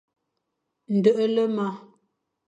Deghle mo.